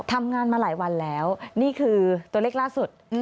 ทำงานมาหลายวันแล้วนี่คือตัวเลขล่าสุด